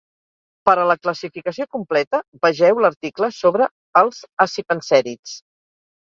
Per a la classificació completa vegeu l'article sobre els acipensèrids.